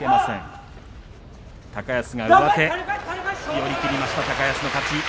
寄り切りました高安の勝ち。